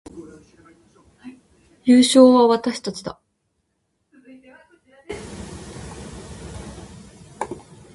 優勝は私たちだ